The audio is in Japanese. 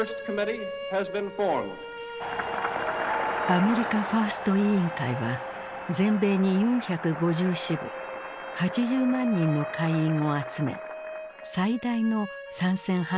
アメリカ・ファースト委員会は全米に４５０支部８０万人の会員を集め最大の参戦反対勢力に成長。